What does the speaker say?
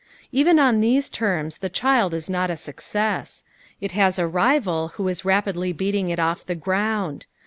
Even on these terms the child is not a success. It has a rival who is rapidly beating it off the ground.